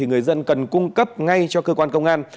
người dân cần cung cấp ngay cho cơ quan công an